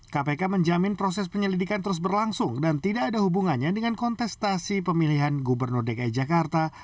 kpk menjamin proses penyelidikan terus berlangsung dan tidak ada hubungannya dengan kontestasi pemilihan gubernur dki jakarta